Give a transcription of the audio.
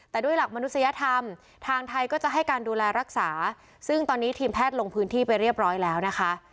แต่ด้วยหลักมนุษยธรรมทางไทยก็จะให้การดูแลรักษาซึ่งตอนนี้ทีมแพทย์ลงพื้นที่ไปเรียบร้อยแล้วนะคะ